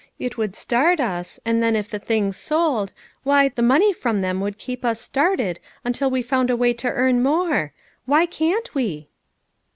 It would start us, and then if the things sold, why, the money from, them would keep us started until we found a way to earn more. Why can't we